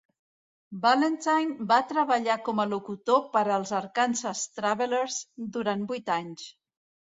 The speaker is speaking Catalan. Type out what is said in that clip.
Valentine va treballar com a locutor per als Arkansas Travelers durant vuit anys.